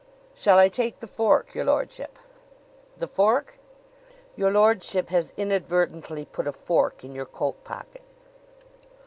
"Shall I take the fork, your lordship?" "The fork?" "Your lordship has inadvertently put a fork in your coat pocket."